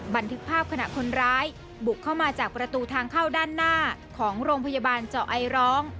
บันทึกภาพขณะคนร้ายบุกเข้ามาจากประตูทางเข้าด้านหน้าของโรงพยาบาลเจาะไอร้อง